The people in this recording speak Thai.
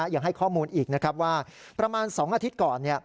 ยังให้ข้อมูลอีกนะครับว่าประมาณ๒อาทิตย์ก่อน